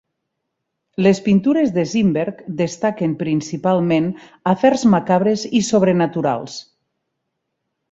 Les pintures de Simberg destaquen principalment afers macabres i sobrenaturals.